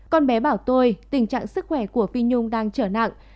con bé bảo tôi tình trạng sức khỏe của phi nhung đang trở nặng